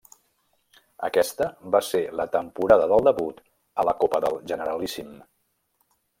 Aquesta va ser la temporada del debut a la Copa del Generalíssim.